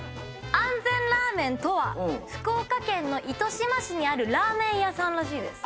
安全ラーメンとは福岡県の糸島市にあるラーメン屋さんらしいです。